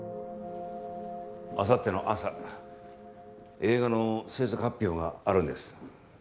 あさっての朝映画の制作発表があるんです。